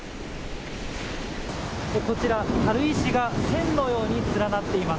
こちら軽石が線のように連なっています。